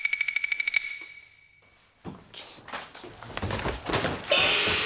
ちょっと。